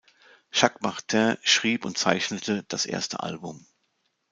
Jacques Martin schrieb und zeichnete das erste Album.